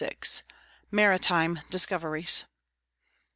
MARITIME DISCOVERIES.